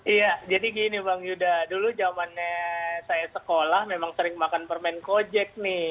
iya jadi gini bang yuda dulu zamannya saya sekolah memang sering makan permen kojek nih